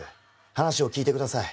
話を聞いてください。